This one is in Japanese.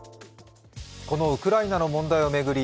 このウクライナの問題を巡り